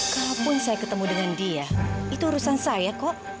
kalaupun saya ketemu dengan dia itu urusan saya kok